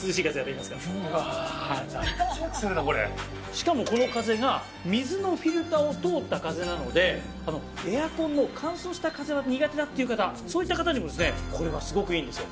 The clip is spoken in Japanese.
しかもこの風が水のフィルターを通った風なのでエアコンの乾燥した風が苦手だっていう方そういった方にもこれはすごくいいんですよ。